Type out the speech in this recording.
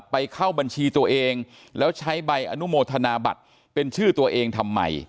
เข้าบัญชีตัวเองแล้วใช้ใบอนุโมทนาบัตรเป็นชื่อตัวเองทำไม